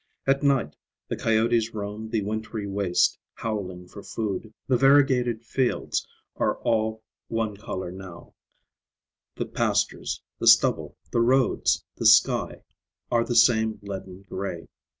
At night the coyotes roam the wintry waste, howling for food. The variegated fields are all one color now; the pastures, the stubble, the roads, the sky are the same leaden gray.